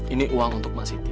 ini uang untuk mak siti